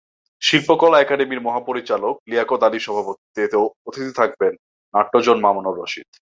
শিল্পকলা একাডেমির মহাপরিচালক লিয়াকত আলীর সভাপতিত্বে এতে প্রধান অতিথি থাকবেন নাট্যজন মামুনুর রশীদ।